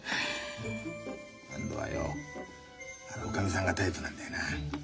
安藤はよおかみさんがタイプなんだよな。